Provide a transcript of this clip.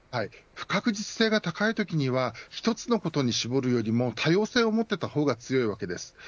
不確実性が高いときには１つのことに絞るよりも多様性を持っていた方が強いわけです。